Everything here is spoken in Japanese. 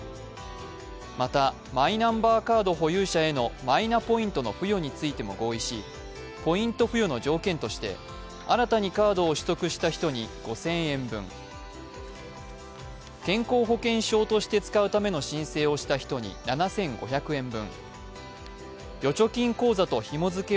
またマイナンバーカード保有者へのマイナポイント付与についても合意しポイント付与の条件として、新たにカードを取得した人に５０００円分、健康保険証として使うための申請をした人に７５００円分。